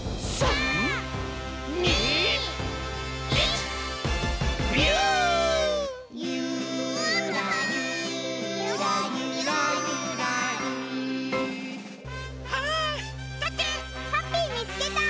ハッピーみつけた！